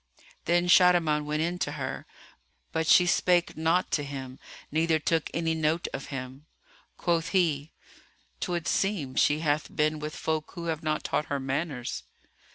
Then Shahriman went in to her; but she spake not to him neither took any note of him.[FN#305] Quoth he, "'Twould seem she hath been with folk who have not taught her manners."